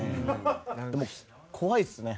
でも怖いですね。